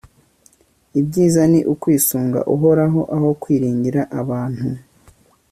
ibyiza ni ukwisunga uhoraho, aho kwiringira abantu